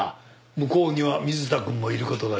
向こうには水田くんもいる事だし。